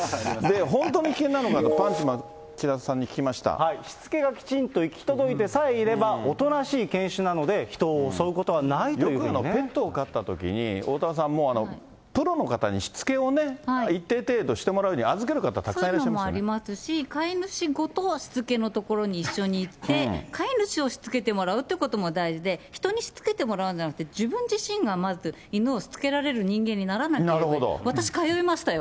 本当に危険なのは、しつけがきちんと行き届いてさえいれば、おとなしい犬種なので、人を襲うことはないというこペットを飼ったときに、おおたわさん、もうプロの方にしつけを一定程度、してもらうように、そういうのもありますし、飼い主ごとしつけの所に一緒に行って、飼い主をしつけてもらうということも大事で、人にしつけてもらうんじゃなくて、自分自身がまず犬をしつけられる人間にならなければ、私は通いましたよ。